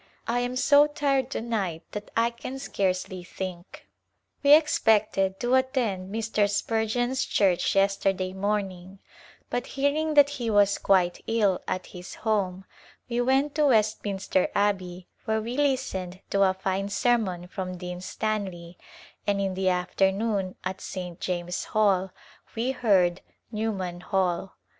I am so tired to night that I can scarcely think. We expected to attend Mr. Spurgeon's Church yes terday morning but hearing that he was quite ill at his home we went to Westminster Abbey where we listened to a fine sermon from Dean Stanley, and in the afternoon at St. James Hall we heard Newman Hall.